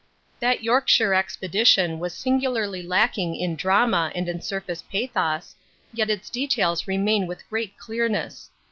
That Yorkshire expedition was singularly lacking in drama and in surface pathos, yet its details remain with great clearness.